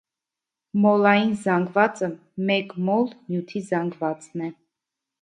Մոլային զանգվածը մեկ մոլ նյութի զանգվածն է։